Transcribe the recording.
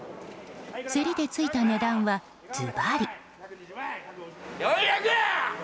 競りでついた値段は、ズバリ。